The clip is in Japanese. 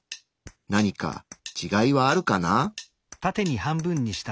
何かちがいはあるかな？